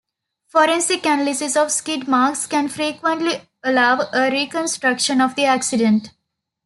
Forensic analysis of skid marks can frequently allow a reconstruction of the accident.